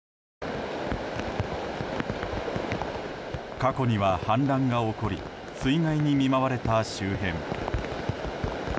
過去には氾濫が起こり水害に見舞われた周辺。